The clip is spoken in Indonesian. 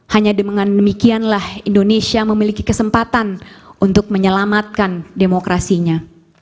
hanya dengan demikianlah indonesia memiliki kesempatan untuk menyelamatkan demokrasinya